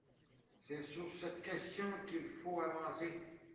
C’est sur cette question qu’il faut avancer.